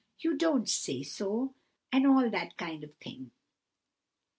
you don't say so! and all that kind of thing!"